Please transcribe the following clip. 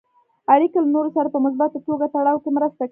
اړیکې له نورو سره په مثبته توګه تړاو کې مرسته کوي.